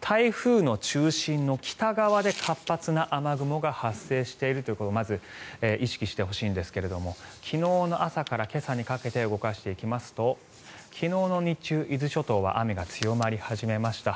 台風の中心の北側で活発な雨雲が発生しているということをまず意識してほしいんですが昨日の朝から今朝にかけて動かしていきますと昨日の日中伊豆諸島は雨が強まり始めました。